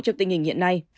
trong tình hình hiện nay